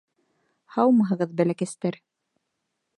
— Һаумыһығыҙ, бәләкәстәр!